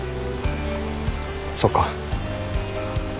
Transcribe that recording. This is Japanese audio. そっか。